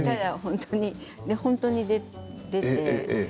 本当に出て。